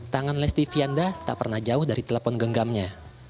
tangan lesti vianda tak pernah jauh dari telepon genggamnya